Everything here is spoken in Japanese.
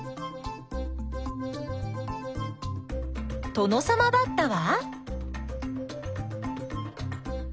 トノサマバッタは？